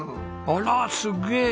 あらすっげえ！